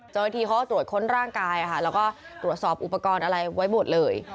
เจ้าหน้าที่เขาก็ตรวจค้นร่างกายแล้วก็ตรวจสอบอุปกรณ์อะไรไว้หมดเลย